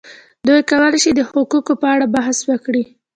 دوی کولای شي د حقوقو په اړه بحث وکړي.